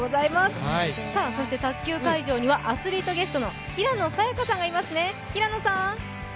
そして卓球会場にはアスリートゲストの平野早矢香さんがいますね。